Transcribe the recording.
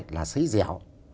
là sấy dẻo